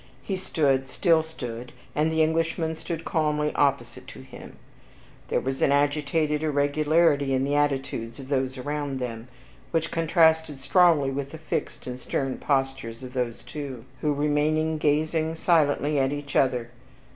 He stood still stood, and the Englishman stood calmly opposite to him. There was an agitated irregularity in the attitudes of those around them, which contrasted strongly the fixed and stern postures of those two, who remained gazing silently at each other.